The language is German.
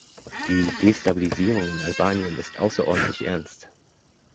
Die Destabilisierung in Albanien ist außerordentlich ernst.